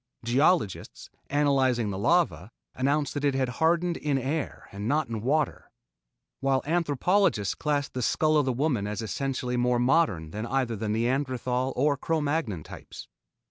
Geologists, analyzing the lava, announced that it had hardened in air and not in water, while anthropologists classed the skull of the woman as essentially more modern than either the Neanderthal or Cro Magnon types.